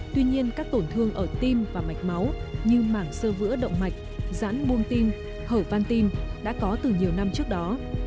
tuy nhiên các tổn thương ở tim và mạch máu như mảng sơ vữa động mạch rãn buông tim hở van tim đã có từ nhiều năm trước đó